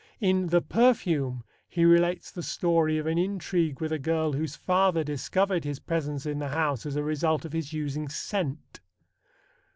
In The Perfume he relates the story of an intrigue with a girl whose father discovered his presence in the house as a result of his using scent.